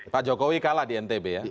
pak jokowi kalah di ntb ya